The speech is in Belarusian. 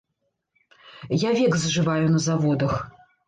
Я век зжываю на заводах.